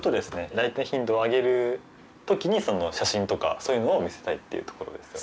来店頻度を上げるときに写真とかそういうのを見せたいっていうところですよね。